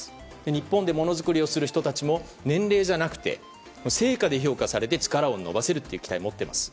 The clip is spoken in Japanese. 日本でものづくりをする人たちも年齢じゃなくて成果で評価されて力を伸ばせるという期待を持っています。